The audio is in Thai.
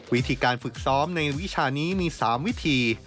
วิธีการฝึกซ้อมในวิชานี้มี๓วิธี